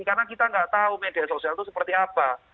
karena kita nggak tahu media sosial itu seperti apa